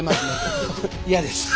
嫌です。